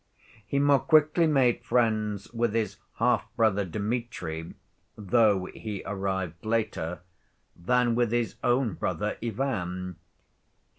He more quickly made friends with his half‐brother Dmitri (though he arrived later) than with his own brother Ivan.